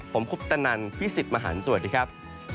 ผมคุปตนันพี่สิทธิ์มหันฯสวัสดีครับ